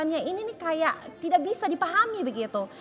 jadi kayak tidak bisa dipahami begitu